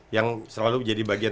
yang selalu jadi bagian